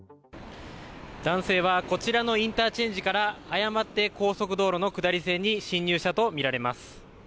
男性はこちらのインターチェンジから誤って高速道路の下り線に進入したと見られます。